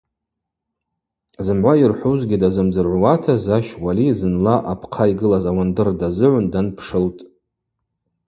Зымгӏва йырхӏвузгьи дазымдзыргӏвуата Защ Уали зынла апхъа йгылаз ауандыр дазыгӏвын данпшылтӏ.